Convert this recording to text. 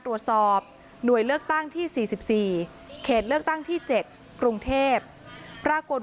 ตรวจสอบหน่วยเลือกตั้งที่๔๔เขตเลือกตั้งที่๗กรุงเทพปรากฏ